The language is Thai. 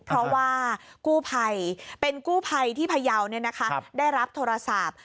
เพราะว่ากู้ภัยเป็นกู้ภัยที่พยาวได้รับโทรศัพท์